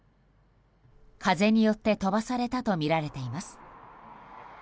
風によって飛ばされたとみられています。